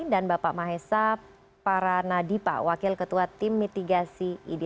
dan bapak maisa paranadipa wakil ketua tim mitigasi idi